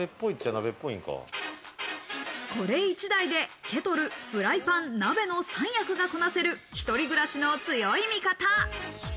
これ１台でケトル、フライパン、鍋の３役がこなせる、一人暮らしの強い味方。